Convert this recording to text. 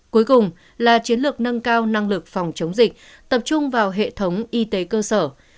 cuối cùng là chiến lược nâng cao năng lực phòng chống dịch tập trung vào hệ thống y tế cơ sở